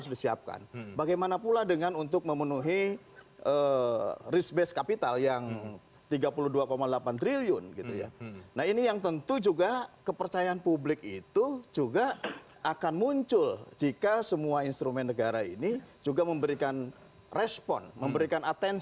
tidak mau naik sedikit